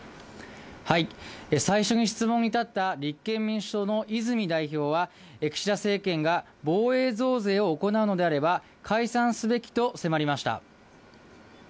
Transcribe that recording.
最初に質問に立った立憲民主党の泉代表は、岸田政権が防衛増税を行うのであれば、解散すべきと迫りました。